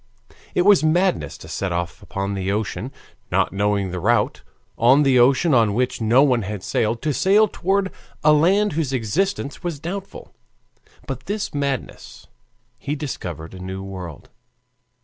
It was madness to set off upon the ocean, not knowing the route, on the ocean on which no one had sailed, to sail toward a land whose existence was doubtful. By this madness he discovered a new world.